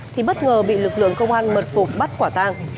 thì bất ngờ bị lực lượng công an mật phục bắt quả tang